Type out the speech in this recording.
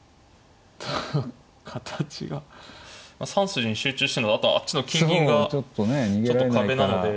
３筋に集中してるのであとはあっちの金銀がちょっと壁なので。